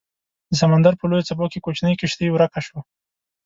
د سمندر په لویو څپو کې کوچنۍ کیشتي ورکه شوه